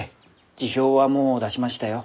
辞表はもう出しましたよ。